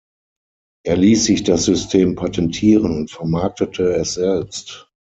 Er ließ sich das System patentieren und vermarktete es selbst.